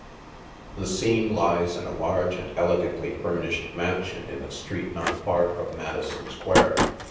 The scene lies in a large and elegantly furnished mansion in a street not far from Madison Square.